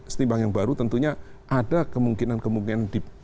setimbangan yang baru tentunya ada kemungkinan kemungkinan di